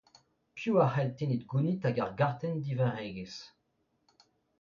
Piv a cʼhall tenniñ gounid ag ar gartenn divarregezh ?